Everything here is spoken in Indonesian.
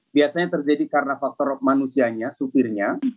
biasanya terjadi karena faktor manusianya supirnya